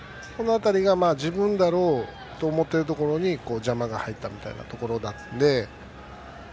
自分だろうと思っているところに邪魔が入ったみたいなとこなので。